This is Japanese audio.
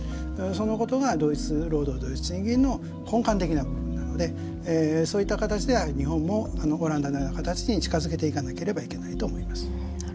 そのことが同一労働同一賃金の根幹的な部分なのでそういった形で日本もオランダのような形に近づけていかなければいけないと思います。